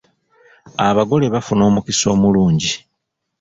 Abagole bafuna omukisa omulungi.